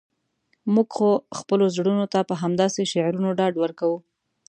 موږ خو خپلو زړونو ته په همداسې شعرونو ډاډ ورکوو.